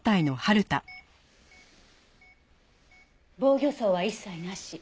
防御創は一切なし。